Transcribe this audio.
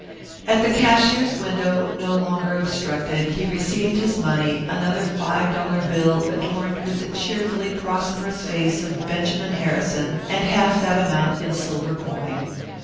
At the cashier's window, no longer obstructed, he received his money, another five dollar bill adorned with the cheerfully prosperous face of Benjamin Harrison and half that amount in silver coin.